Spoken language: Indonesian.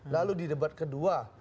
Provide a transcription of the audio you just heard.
lalu di debat kedua